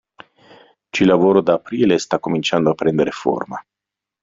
Ci lavoro da aprile e sta cominciando a prendere forma.